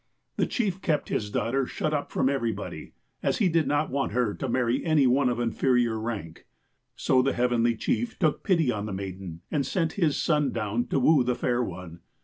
'' The chief kept his daughter shut up from everybody, as he did not want her to marry any one of inferior rank. So the Heavenly Chief took pity on the maiden, and sent his son down to woo the fair one.